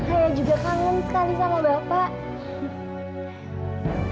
saya juga kangen sekali sama bapak